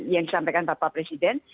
yang disampaikan bapak presiden